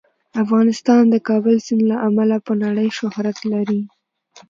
افغانستان د کابل سیند له امله په نړۍ شهرت لري.